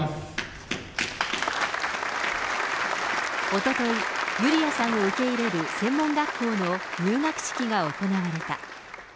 おととい、ユリアさんを受け入れる専門学校の入学式が行われた。